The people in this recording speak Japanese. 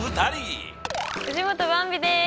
藤本ばんびです。